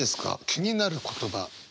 気になる言葉。